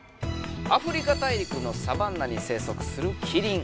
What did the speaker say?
アフリカ大陸のサバンナに生息するキリン。